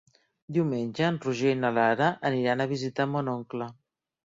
Diumenge en Roger i na Lara aniran a visitar mon oncle.